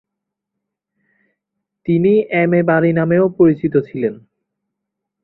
তিনি M A Bari নামেও পরিচিত ছিলেন।